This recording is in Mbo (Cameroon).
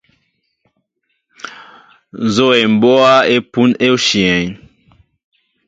Nzoʼ e mɓɔa opun oshyɛέŋ.